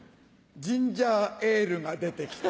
ジンジャーエールが出てきた。